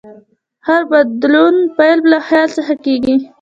د هر بدلون پیل له خیال څخه کېږي.